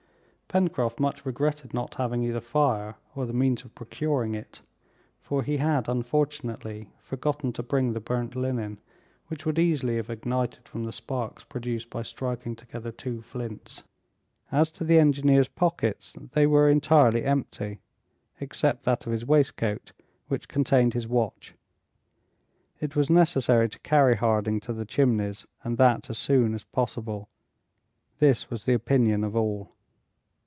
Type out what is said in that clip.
Pencroft much regretted not having either fire, or the means of procuring it, for he had, unfortunately, forgotten to bring the burnt linen, which would easily have ignited from the sparks produced by striking together two flints. As to the engineer's pockets, they were entirely empty, except that of his waistcoat, which contained his watch. It was necessary to carry Harding to the Chimneys, and that as soon as possible. This was the opinion of all.